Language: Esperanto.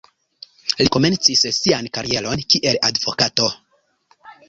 Li komencis sian karieron kiel advokato.